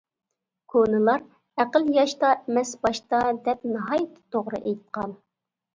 كونىلار ‹ ‹ئەقىل ياشتا ئەمەس، باشتا› › دەپ ناھايىتى توغرا ئېيتقان.